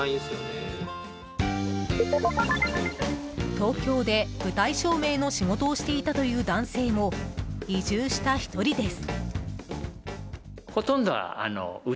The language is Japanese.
東京で、舞台照明の仕事をしていたという男性も移住した１人です。